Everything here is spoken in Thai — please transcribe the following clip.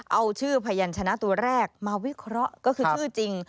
เอาชื่อพยานชนะตัวแรกมาวิเคราะห์ก็คือชื่อจริง